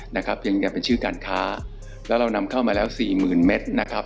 ยังเป็นชื่อการค้าและเรานำเข้ามาแล้ว๔๐๐๐๐เมตรนะครับ